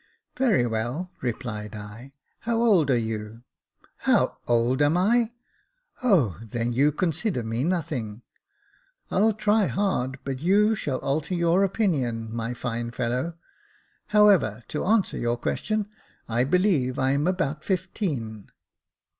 " Very well," replied I. " How old are you ?" "How old ami! O, then you consider me nothing. I'll try hard but you shall alter your opinion, my fine fellow. However, to answer your question, I believe I'm about fifteen."